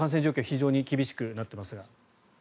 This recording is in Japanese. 非常に厳しくなっていますが。